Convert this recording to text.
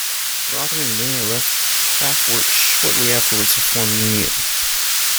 Rother and Dinger left Kraftwerk shortly afterwards to form Neu!